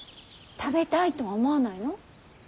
食べたいとは思わないの？